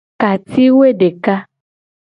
Ka ci woe deka.